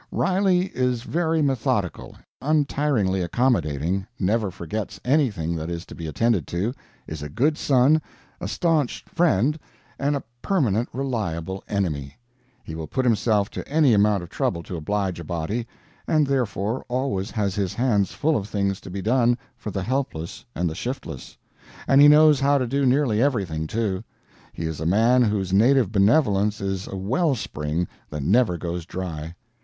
Riley is very methodical, untiringly accommodating, never forgets anything that is to be attended to, is a good son, a stanch friend, and a permanent reliable enemy. He will put himself to any amount of trouble to oblige a body, and therefore always has his hands full of things to be done for the helpless and the shiftless. And he knows how to do nearly everything, too. He is a man whose native benevolence is a well spring that never goes dry.